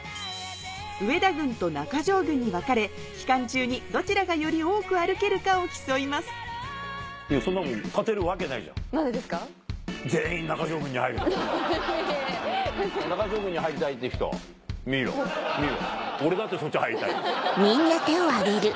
上田軍と中条軍に分かれ期間中にどちらがより多く歩けるかを競いますハハハいやいや。